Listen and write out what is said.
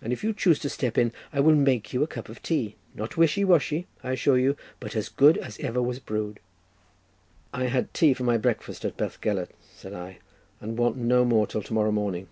And if you choose to step in, I will make you a cup of tea, not wishy washy, I assure you, but as good as ever was brewed." "I had tea for my breakfast at Bethgelert," said I, "and want no more till to morrow morning.